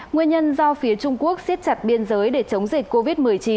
nguyên nhân do phía trung quốc siết chặt biên giới để chống dịch covid một mươi chín